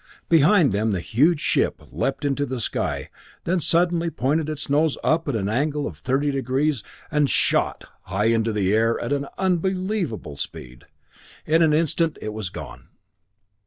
Behind them the huge ship leaped into the sky, then suddenly pointed its nose up at an angle of thirty degrees and shot high into the air at an unbelievable speed. In an instant it was gone.